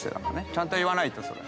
ちゃんと言わないとそれ。